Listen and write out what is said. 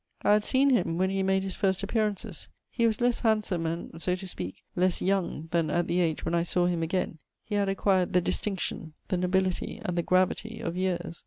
I had seen him when he made his first appearances; he was less handsome and, so to speak, less young than at the age when I saw him again: he had acquired the distinction, the nobility, and the gravity of years.